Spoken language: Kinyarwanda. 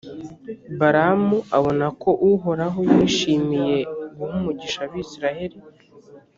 balamu abona ko uhoraho yishimiye guha umugisha abayisraheli.